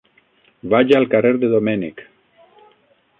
Vaig al carrer de Domènech.